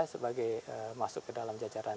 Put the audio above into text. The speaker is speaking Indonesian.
sebagai masuk ke dalam jajaran